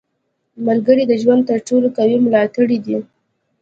• ملګری د ژوند تر ټولو قوي ملاتړی دی.